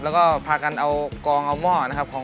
แล้วก็พากันเอากองเอาหม้อนะครับของ